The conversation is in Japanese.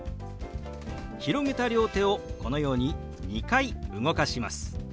広げた両手をこのように２回動かします。